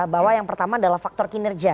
bahwa yang pertama adalah faktor kinerja